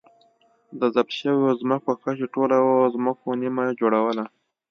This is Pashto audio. د ضبط شویو ځمکو کچې ټولو ځمکو نییمه جوړوله.